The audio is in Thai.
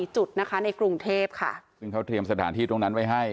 ๑๔จุดในกรุงเทพเข้าเตรียมสถานที่ตรงนั้นไว้ให้